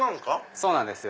そうなんですよ